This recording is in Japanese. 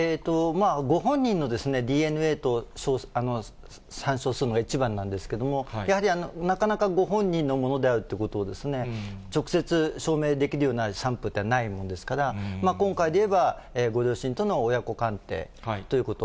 ご本人のＤＮＡと採取するのが一番なんですけれども、やはりなかなかご本人のものであるっていうことを直接証明できるようなサンプルはないものですから、今回でいえば、ご両親との親子鑑定ということ。